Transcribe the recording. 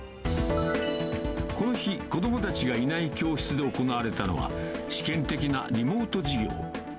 この日、子どもたちがいない教室で行われたのは、試験的なリモート授業。